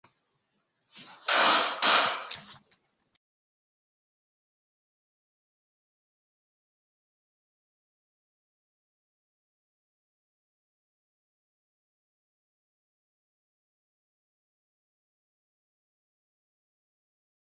La verko celas nin moraligi.